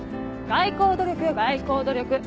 外交努力よ外交努力。